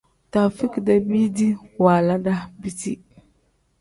Taufik-dee biidi waala daa biti.